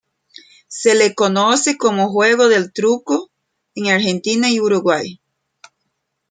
Se le conoce como juego del truco en Argentina y Uruguay.